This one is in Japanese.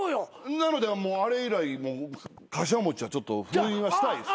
なのでもうあれ以来かしわ餅はちょっと封印はしたいです。